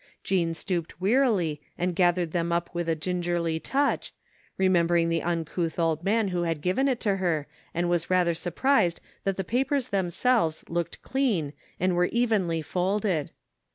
Jean stooped wearily and gathered them up with a gingerly touch, remembering the un couth old man who had given it to her, and was rather surprised that the papers themselves looked dean and were evenly folded.